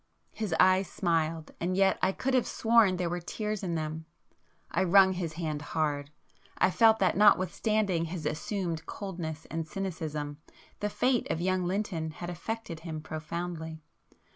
His eyes smiled, and yet I could have sworn there were tears in them. I wrung his hand hard,—I felt that notwithstanding his assumed coldness and cynicism, the fate of young Lynton had affected him profoundly.